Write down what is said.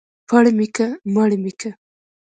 پړ مى که مړ مى که.